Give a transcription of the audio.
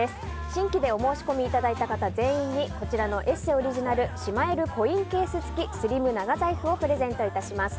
新規でお申し込みいただいた方全員にこちらの「ＥＳＳＥ」オリジナルしまえるコインケース付きスリム長財布をプレゼントいたします。